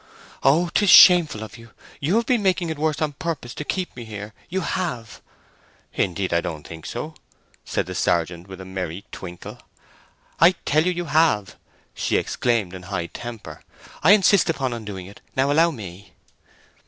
"Oh, 'tis shameful of you; you have been making it worse on purpose to keep me here—you have!" "Indeed, I don't think so," said the sergeant, with a merry twinkle. "I tell you you have!" she exclaimed, in high temper. "I insist upon undoing it. Now, allow me!"